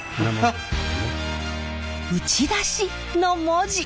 「打出し」の文字。